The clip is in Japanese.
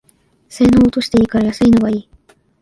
性能落としていいから安いのがいい